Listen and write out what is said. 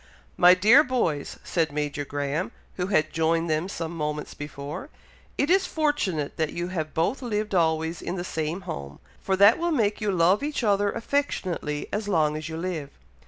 "My dear boys!" said Major Graham, who had joined them some moments before, "it is fortunate that you have both lived always in the same home, for that will make you love each other affectionately as long as you live.